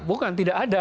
bukan tidak ada